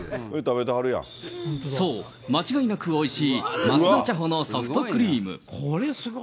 そう、間違いなくおいしいますだ茶舗のソフトクリーム。